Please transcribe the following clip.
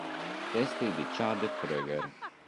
Testi di Chad Kroeger.